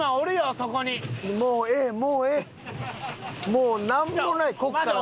もうなんもないここからは。